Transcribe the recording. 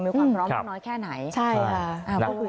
มีความพร้อมก็น้อยแค่ไหน